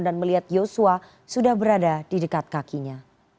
dan melihat yosua sudah berada di dekat kakinya